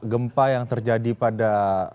gempa yang terjadi pada